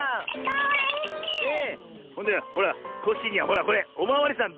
ほらコッシーにはほらこれおまわりさん。